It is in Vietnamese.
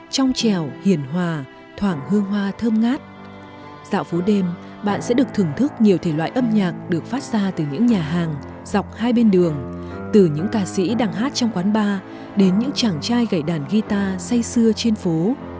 trong trèo hiền hòa thoảng hương hoa thơm ngát dạo phố đêm bạn sẽ được thưởng thức nhiều thể loại âm nhạc được phát ra từ những nhà hàng dọc hai bên đường từ những ca sĩ đang hát trong quán bar đến những chàng trai gậy đàn guitar say xưa trên phố